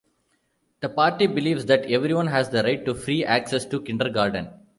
The party believes that everyone has the right to free access to kindergarten.